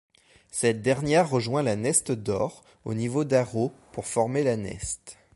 Cette dernière rejoint la Neste d'Aure au niveau d'Arreau pour former la Neste.